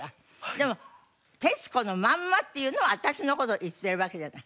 でも『徹子のまんま』っていうのは私の事言ってるわけじゃない。